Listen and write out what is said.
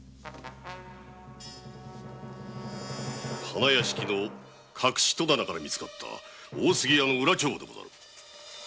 花屋敷の隠し戸棚からみつかった大杉屋の裏帳簿でござる。